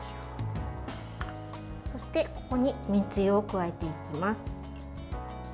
そして、ここにめんつゆを加えていきます。